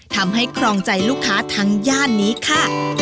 ครองใจลูกค้าทั้งย่านนี้ค่ะ